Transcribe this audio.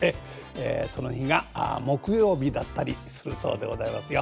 その日が木曜日だったりするそうでございますよ。